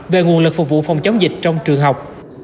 về nguồn lực phục vụ phòng chống dịch trong trường học